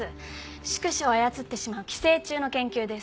宿主を操ってしまう寄生虫の研究です。